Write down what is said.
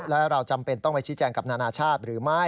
และเราจำเป็นต้องไปชี้แจงกับนานาชาติหรือไม่